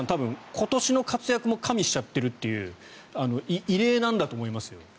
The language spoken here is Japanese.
今年の活躍も加味しちゃっているという異例なんだと思いますよ。